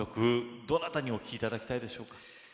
どなたにお聴きいただきたいですか。